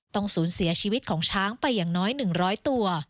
ต้องสูญเสียชีวิตของช้างไปอย่างน้อย๑๐๐ตัว